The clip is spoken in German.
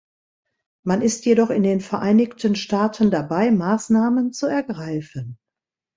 Man ist jedoch in den Vereinigten Staaten dabei, Maßnahmen zu ergreifen.